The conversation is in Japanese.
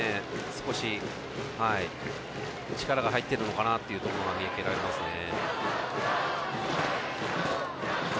少し力が入っているのかなというところが見受けられますね。